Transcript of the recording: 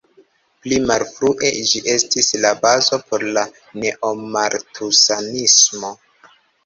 Pli malfrue ĝi estis la bazo por la neomaltusanismo.